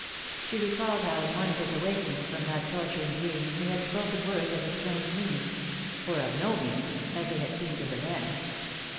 She recalled how in one of his awakenings from that torturing dream he had spoken words of strange meaning or of no meaning, as they had seemed to her then.